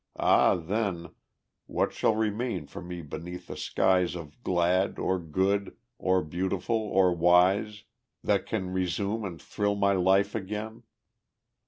Ah, then, What shall remain for me beneath the skies Of glad, or good, or beautiful, or wise, That can relume and thrill my life again?